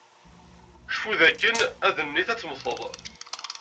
Cfu dakken adennit ad temmted.